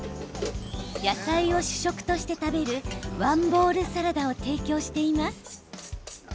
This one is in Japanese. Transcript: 野菜を主食として食べるワンボウルサラダを提供しています。